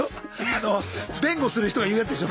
あの弁護する人が言うやつでしょ。